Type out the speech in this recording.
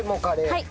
はい。